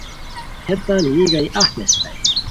ہیتان یی گانی اف پیڅھیتائے